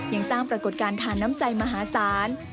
ยังสร้างปรากฏการณ์ทานน้ำใจมหาศาล